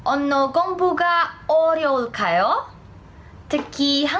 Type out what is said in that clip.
apakah bahasa korea lebih sulit untuk belajar